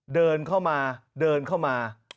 เดินเข้ามาเดินเข้ามา